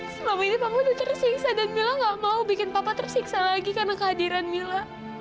selama ini papa udah tersing saya dan mila gak mau bikin papa tersiksa lagi karena kehadiran mila